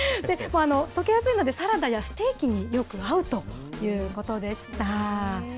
溶けやすいので、サラダやステーキによく合うということでした。